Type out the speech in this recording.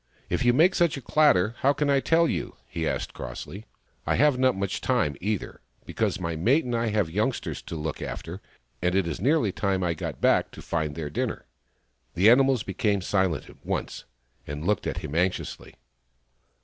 " If you make such a clatter, how can I tell you ?" he asked crossly. " I have not much time either, because my mate and I have youngsters to look after, and it is nearly time I got back to find their dinner." The animals became silent at once, and looked at him anxiously.